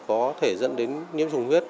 có thể dẫn đến nhiễm trùng huyết